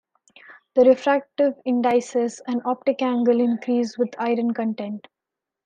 The refractive indices and optic angle increase with iron content.